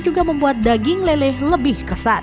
juga membuat daging lele lebih kesat